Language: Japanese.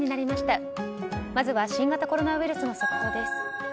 まずは新型コロナウイルスの速報です。